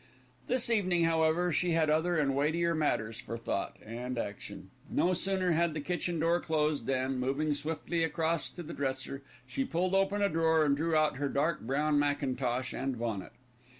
This evening, however, she had other and weightier matters for thought and action. No sooner had the kitchen door closed than, moving swiftly across to the dresser, she pulled open a drawer, and drew out her dark brown mackintosh and bonnet.